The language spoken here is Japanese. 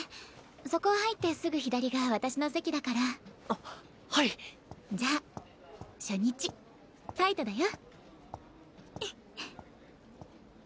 そこ入ってすぐ左が私の席だからあっはいじゃあ初日ファイトだよ。